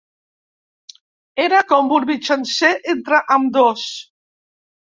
Era com un mitjancer entre ambdós.